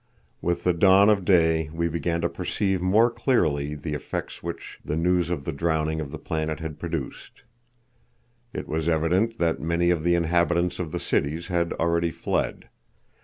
With the dawn of day we began to perceive more clearly the effects which the news of the drowning of the planet had produced. It was evident that many of the inhabitants of the cities had already fled.